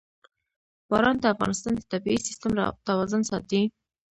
باران د افغانستان د طبعي سیسټم توازن ساتي.